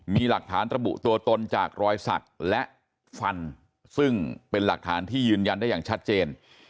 มีหลักฐานระบุตัวตนจากรอยสักและฟันซึ่งเป็นหลักฐานที่ยืนยันได้อย่างชัดเจน